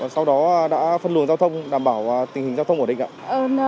sau đó đã phân luồng giao thông đảm bảo tình hình giao thông ổn định ạ